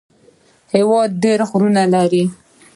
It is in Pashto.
هېواد ډېر غرونه لري